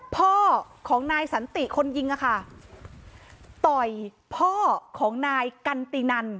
พ่อของนายสันติคนยิงอะค่ะต่อยพ่อของนายกันตินัน